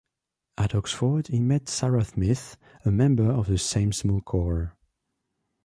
At Oxford he met Sarah Smith, a member of the same small choir.